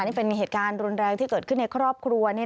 นี่เป็นเหตุการณ์รุนแรงที่เกิดขึ้นในครอบครัว